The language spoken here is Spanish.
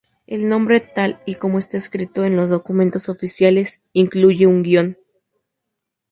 El nombre tal y como está escrito en los documentos oficiales incluye un guion.